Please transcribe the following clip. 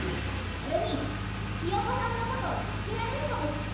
それにひよこさんのことたすけられるかもしれないもんね。